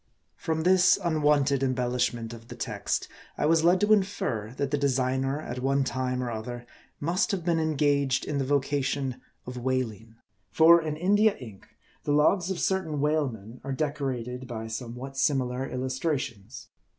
From this unwonted embellishment of the text, I was led to infer, that the designer, at one time or other, must have been engaged in the vocation of whaling. For, in India ink, the logs of certain whalemen are decorated by somewhat similar illustrations.